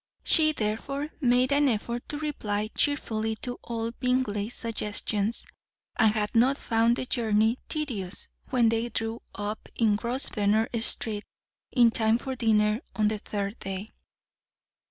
She, therefore, made an effort to reply cheerfully to all Bingley's suggestions, and had not found the journey tedious when they drew up in Grosvenor Street in time for dinner on the third day.